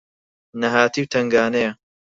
نەهاتی و تەنگانەیە